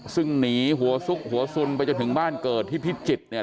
ซึ่งหนีหัวซุกหัวสุนไปจนถึงบ้านเกิดที่พิจิตรเนี่ย